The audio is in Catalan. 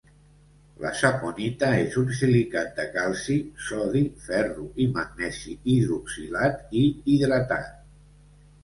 La saponita és un silicat de calci, sodi, ferro i magnesi, hidroxilat i hidratat.